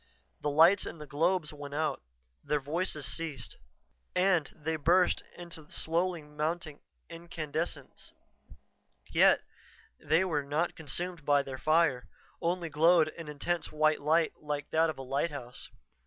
The lights in the globes went out; their voices ceased. And they burst into slowly mounting incandescence. Yet, they were not consumed by their fire, only glowed an intense white light like that of a lighthouse.